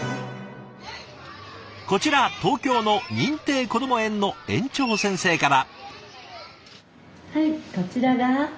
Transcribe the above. こちら東京の認定こども園の園長先生から。